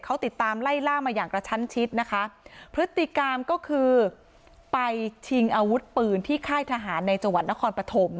เขาติดตามไล่ล่ามาอย่างกระชั้นชิดนะคะพฤติกรรมก็คือไปชิงอาวุธปืนที่ค่ายทหารในจังหวัดนครปฐม